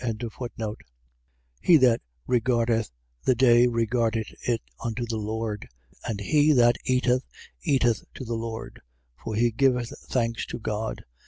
14:6. He that regardeth the day regardeth it unto the Lord. And he that eateth eateth to the Lord: for he giveth thanks to God.